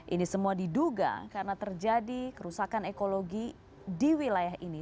ini semua diduga karena terjadi kerusakan ekologi di wilayah ini